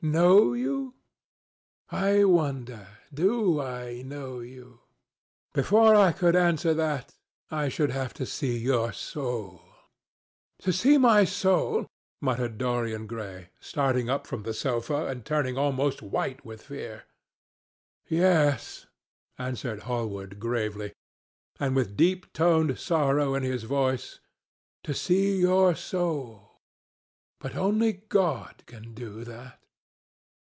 Know you? I wonder do I know you? Before I could answer that, I should have to see your soul." "To see my soul!" muttered Dorian Gray, starting up from the sofa and turning almost white from fear. "Yes," answered Hallward gravely, and with deep toned sorrow in his voice, "to see your soul. But only God can do that."